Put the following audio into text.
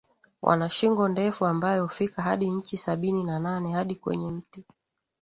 Wana shingo ndefu ambayo hufika hadi inchi sabini na nane hadi Kwenye mti